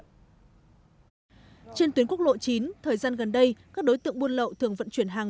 trên tuyến quốc lộ chín thời gian gần đây các đối tượng buôn lậu thường vận chuyển hàng